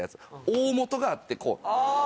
大本があってこう。